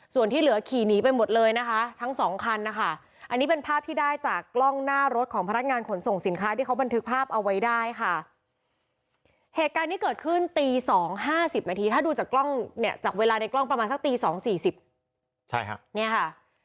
สุดท้ายค่ะเหตุการณ์ที่เกิดขึ้นตี๒๕๐นาทีถ้าดูจากกล้องเนี่ยจากเวลาในกล้องประมาณสักตี๒๔๐ใช่ค่ะเนี่ยค่ะ